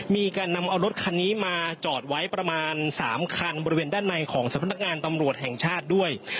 มีการนำเอารถคันนี้มาจอดไว้ประมาณ๓คันบริเวณด้านในของสำนักงานตำรวจแห่งชาติด้วย